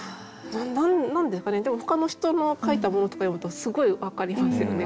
何ですかねでもほかの人の書いたものとか読むとすごいわかりますよね。